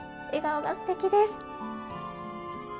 笑顔がすてきです。